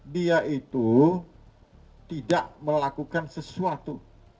dia itu tidak melakukan sesuatu